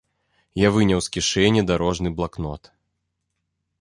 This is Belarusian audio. Я выняў з кішэні дарожны блакнот.